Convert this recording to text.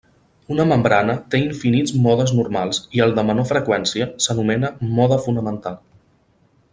Una membrana té infinits modes normals i el de menor freqüència s'anomena mode fonamental.